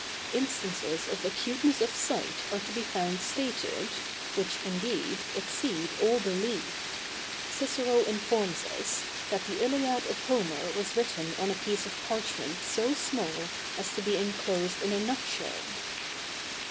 Instances of acuteness of sight are to be found stated, which, indeed, exceed all belief. Cicero informs us, that the Iliad of Homer was written on a piece of parchment so small as to be enclosed in a nut shell.